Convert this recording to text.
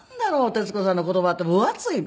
徹子さんの言葉って分厚いの。